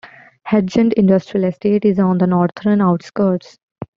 Hedgend Industrial Estate is on the northern outskirts.